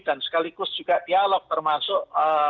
dan sekaligus juga dialog termasuk